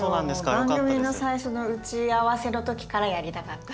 番組の最初の打ち合わせの時からやりたかった。